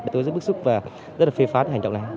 tôi rất bức xúc và rất phê phán hành trọng này